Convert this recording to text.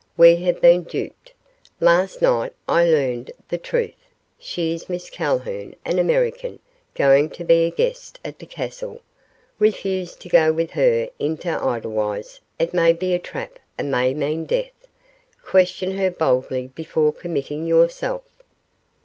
We have been duped. Last night I learned the truth. She is Miss Calhoun, an American, going to be a guest at the castle. Refuse to go with her into Edelweiss. It may be a trap and may mean death. Question her boldly before committing yourself."